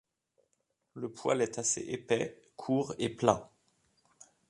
Le poil est assez épais, court et plat.